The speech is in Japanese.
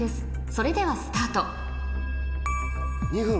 それではスタート２分！